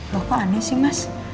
loh kok aneh sih mas